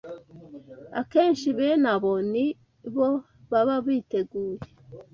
Akenshi bene abo ni bo baba biteguye